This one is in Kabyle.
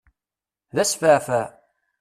D asfaεfaε!